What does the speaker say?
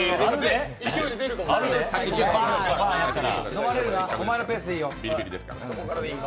飲まれるな、お前のペースでいいよ。